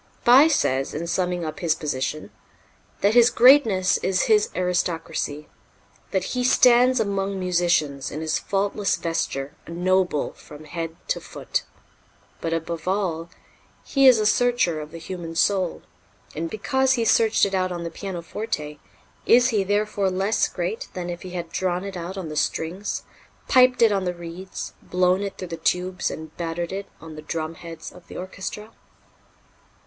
Bie says, in summing up his position, that his greatness is his aristocracy; that "he stands among musicians, in his faultless vesture, a noble from head to foot." But, above all, he is a searcher of the human soul, and, because he searched it out on the pianoforte, is he therefore less great than if he had drawn it out on the strings, piped it on the reeds, blown it through the tubes and battered it on the drumheads of the orchestra?